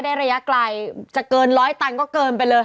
ระยะไกลจะเกินร้อยตันก็เกินไปเลย